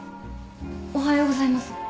おはようございます。